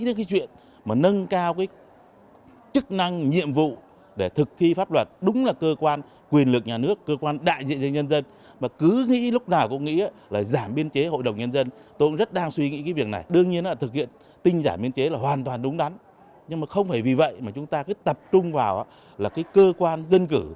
đương nhiên thực hiện tinh giản biên chế là hoàn toàn đúng đắn nhưng không phải vì vậy mà chúng ta tập trung vào cơ quan dân cử